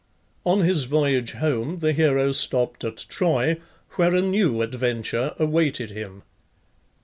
On his voyage home the hero stopped at Troy, where a new adventure awaited him.